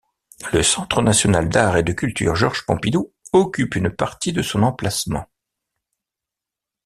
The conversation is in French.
Le Centre national d'art et de culture Georges-Pompidou occupe une partie de son emplacement.